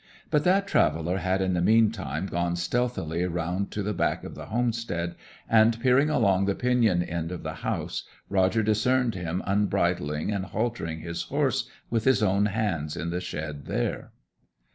But that traveller had in the meantime gone stealthily round to the back of the homestead, and peering along the pinion end of the house Roger discerned him unbridling and haltering his horse with his own hands in the shed there.